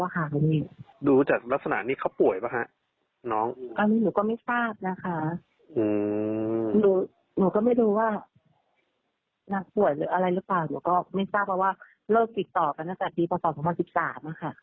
หนูก็ไม่ทราบเพราะว่าเลิกติดต่อกันตั้งแต่ปีปตสมสิบสามอะค่ะ